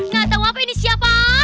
gak tahu apa ini siapa